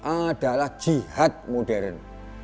adalah jihad modern